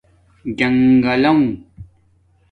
جنگلݸنݣ